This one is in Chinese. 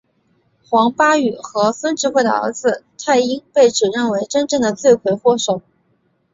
黄巴宇和孙智慧的儿子泰英被指认为真正的罪魁祸首。